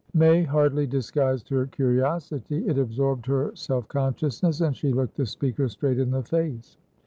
May hardly disguised her curiosity. It absorbed her self consciousness, and she looked the speaker straight in the face.